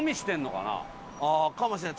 あぁかもしれない。